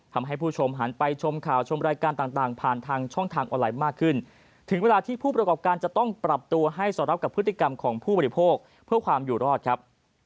ทำให้ผู้ชมหันไปชมข่าวชมรายการต่างผ่านทางช่องทางออนไลน์มากขึ้นถึงเวลาที่ผู้ประกอบการจะต้องปรับตัวให้สอดรับกับพฤติกรรมของผู้บริโภคเพื่อความอยู่รอดครับ